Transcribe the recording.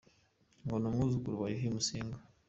Ngo ni umwuzukuru wa Yuhi Musinga.